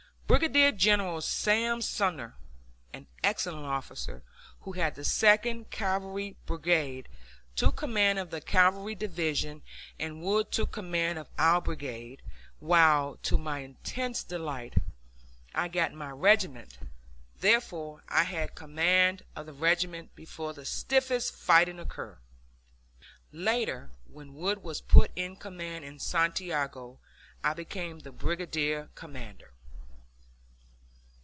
Brigadier General Sam Sumner, an excellent officer, who had the second cavalry brigade, took command of the cavalry division, and Wood took command of our brigade, while, to my intense delight, I got my regiment. I therefore had command of the regiment before the stiffest fighting occurred. Later, when Wood was put in command in Santiago, I became the brigade commander.